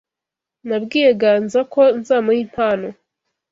Nabwiye Ganza ko nzamuha impano.